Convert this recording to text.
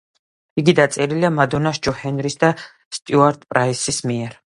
იგი დაწერილია მადონას, ჯო ჰენრის და სტიუარტ პრაისის მიერ.